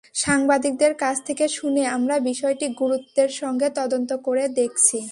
সাংবাদিকদের কাছ থেকে শুনে আমরা বিষয়টি গুরুত্বের সঙ্গে তদন্ত করে দেখছি।